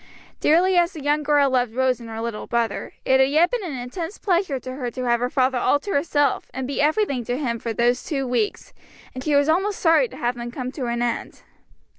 Dearly as the young girl loved Rose and her little brother, it had yet been an intense pleasure to her to have her father all to herself, and be everything to him for those two weeks; and she was almost sorry to have them come to an end.